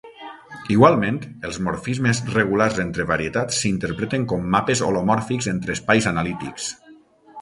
Igualment, els morfismes regulars entre varietats s'interpreten com mapes holomòrfics entre espais analítics.